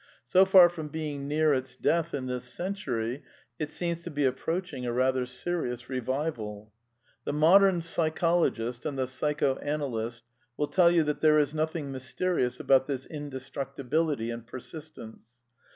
So far from being near its death in this century, it seems to be approaching a rather serious revival. The modem psychologist and the psycho analyst will tell you that there is nothing mysterious about this inde structibility and persistence.